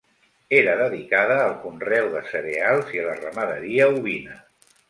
Era dedicada al conreu de cereals i a la ramaderia ovina.